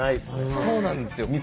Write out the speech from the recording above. そうなんですよ。